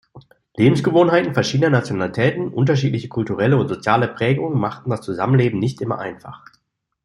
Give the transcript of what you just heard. Lebensgewohnheiten verschiedener Nationalitäten, unterschiedliche kulturelle und soziale Prägungen machten das Zusammenleben nicht immer einfach.